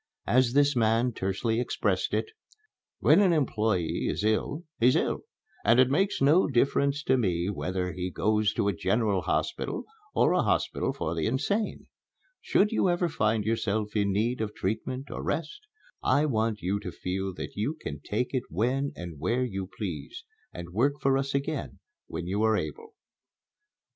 As this man tersely expressed it: "When an employé is ill, he's ill, and it makes no difference to me whether he goes to a general hospital or a hospital for the insane. Should you ever find yourself in need of treatment or rest, I want you to feel that you can take it when and where you please, and work for us again when you are able."